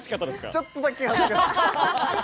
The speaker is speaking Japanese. ちょっとだけ。